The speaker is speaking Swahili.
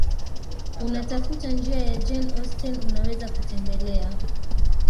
unatafuta njia ya Jane Austen unaweza kutembelea